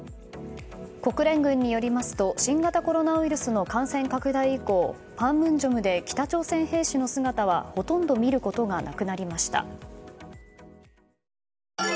国連軍によりますと新型コロナウイルスの感染拡大以降パンムンジョムで北朝鮮兵士の姿はほとんど見ることがなくなりました。